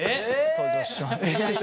登場します。